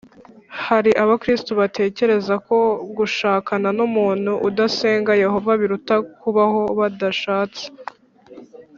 Hari Abakristo batekereza ko gushakana n umuntu udasenga Yehova biruta kubaho badashatse